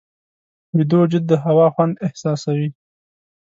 ویده وجود د هوا خوند احساسوي